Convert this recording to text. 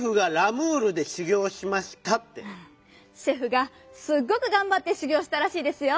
シェフがすっごくがんばってしゅぎょうしたらしいですよ。